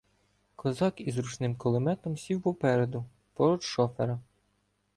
Козак із ручним кулеметом сів попереду, поруч шофера.